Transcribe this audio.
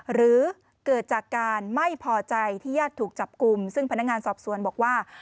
หรือเกิดจากการไม่พอใจที่ญาติถูกจับกลุ่มซึ่งพนักงานสอบสวนบอกว่า